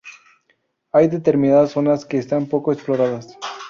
Hay determinadas zonas que están poco exploradas.